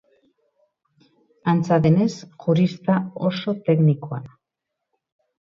Antza denez, jurista oso teknikoa da.